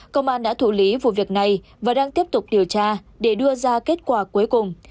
công an đã thủ lý vụ việc này và đang tiếp tục điều tra để đưa ra kết quả cuối cùng